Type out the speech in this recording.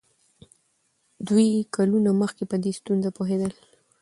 دوی کلونه مخکې په دې ستونزه پوهېدل.